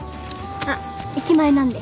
あっ駅前なんで